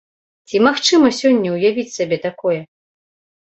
Ці магчыма сёння ўявіць сабе такое?